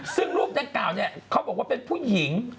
ซึ่งรูปดังกล่าวเนี่ยเขาบอกว่าเป็นผู้หญิง